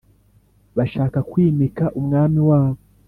Bashaka kwimika umwami wabo